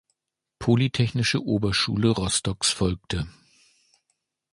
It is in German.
Polytechnische Oberschule Rostocks folgte.